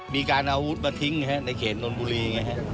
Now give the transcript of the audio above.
มีการเอาอุดมาทิ้งในเขตนอนบุรี